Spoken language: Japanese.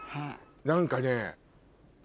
何かね。